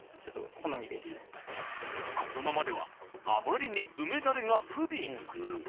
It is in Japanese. このままではあまりに梅だれが不憫。